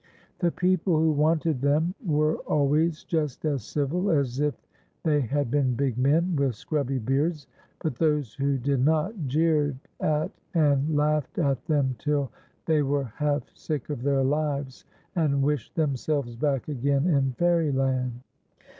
The people who wanted them were IIPSY'S SILVER BELL. 145 always jii>t as civil as if they had been big men with scrubby beards, but those who did not, jeered at and laughed at them till they were half sick of their lives, and wished themselves back again in Fairyland.